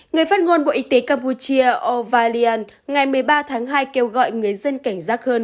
người phát ngôn bộ y tế campuchia ovalian ngày một mươi ba tháng hai kêu gọi người dân cảnh giác hơn